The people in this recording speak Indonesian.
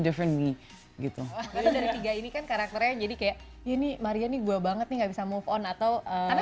different me gitu ini kan karakternya jadi kayak ini maria nih gua banget nih nggak bisa move on atau